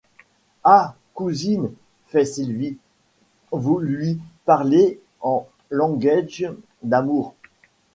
Ha ! cousine, feit Sylvie, vous luy parlez en languaige d’amour.